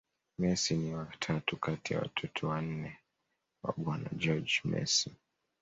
Messi ni wa tatu kati ya watoto wanne wa bwana Jorge Mesi